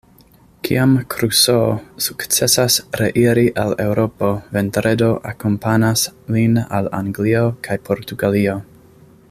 Kiam Crusoe sukcesas reiri al Eŭropo, Vendredo akompanas lin al Anglio kaj Portugalio.